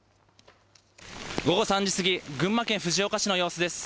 午後３時過ぎ、群馬県藤岡市の様子です。